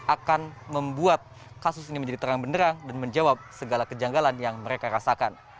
akan membuat kasus ini menjadi terang benderang dan menjawab segala kejanggalan yang mereka rasakan